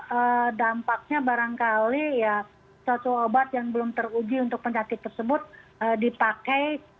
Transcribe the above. nah dampaknya barangkali ya suatu obat yang belum teruji untuk penyakit tersebut dipakai